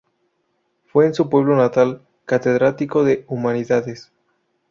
Fue en su pueblo natal catedrático de Humanidades.